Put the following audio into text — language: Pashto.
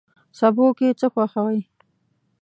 سبو کی څه خوښوئ؟